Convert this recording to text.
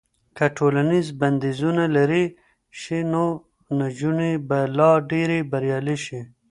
که ټولنیز بندیزونه لرې شي نو نجونې به لا ډېرې بریالۍ شي.